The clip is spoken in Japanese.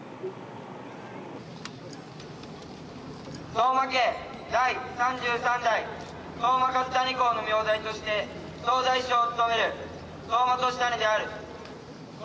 相馬家第３３代相馬和胤公の名代として総大将を務める相馬言胤である。